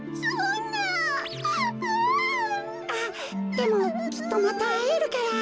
でもきっとまたあえるから。